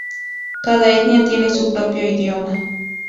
Cada etnia tiene su propio idioma.